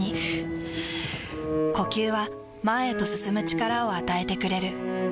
ふぅ呼吸は前へと進む力を与えてくれる。